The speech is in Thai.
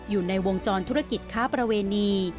อยู่ในวงจรธุรกิจค้าประเวณี